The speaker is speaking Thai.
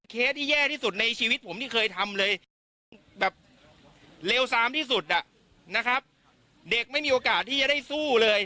ที่แย่ที่สุดในชีวิตผมที่เคยทำเลยแบบเลวซามที่สุดอ่ะนะครับเด็กไม่มีโอกาสที่จะได้สู้เลย